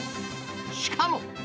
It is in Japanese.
しかも。